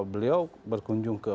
beliau berkunjung ke